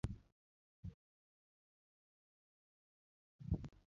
Jakuo chalo ni odonjo e dala kae